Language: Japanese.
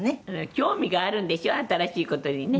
興味があるんでしょ新しい事にね。